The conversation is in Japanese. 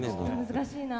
難しいな。